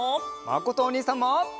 まことおにいさんも！